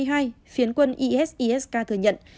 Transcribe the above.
phiến quân isis k thừa nhận